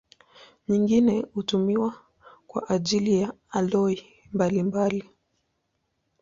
Nyingine hutumiwa kwa ajili ya aloi mbalimbali.